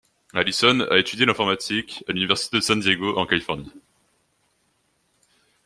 Alison a étudié l'informatique à l'Université de San Diego en Californie.